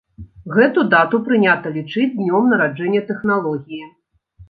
Гэту дату прынята лічыць днём нараджэння тэхналогіі.